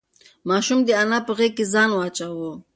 ماشوم د انا په غېږ کې ځان واچاوه.